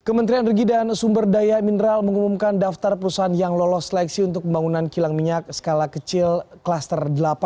kementerian energi dan sumber daya mineral mengumumkan daftar perusahaan yang lolos seleksi untuk pembangunan kilang minyak skala kecil klaster delapan